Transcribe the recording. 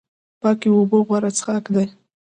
پاکې اوبه غوره څښاک دی